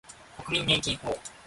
国民年金法